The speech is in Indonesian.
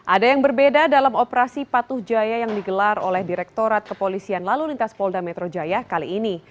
ada yang berbeda dalam operasi patuh jaya yang digelar oleh direktorat kepolisian lalu lintas polda metro jaya kali ini